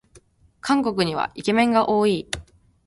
韓国にはイケメンが多い